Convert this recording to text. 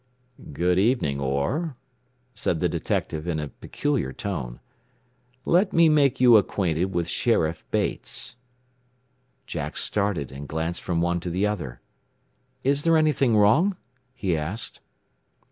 "Good evening, Orr," said the detective in a peculiar tone. "Let me make you acquainted with Sheriff Bates." Jack started, and glanced from one to the other. "Is there anything wrong?" he asked.